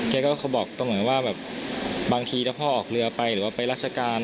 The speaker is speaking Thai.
เขาบอกตรงเหมือนว่าแบบบางทีถ้าพ่อออกเรือไปหรือว่าไปราชการ